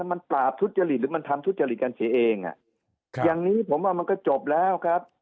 แล้วมันปราบทุศจริงหรือมันทำทุศจริงกันเฉยยังนี้ผมว่ามันก็จบแล้วครับ